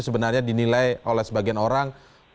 sebenarnya dinilai oleh sebagian orang